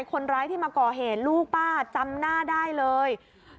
คนร้ายที่มาก่อเหตุลูกป้าจำหน้าได้เลย